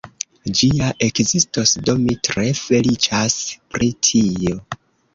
Ĝi ja ekzistos, do mi tre feliĉas pri tio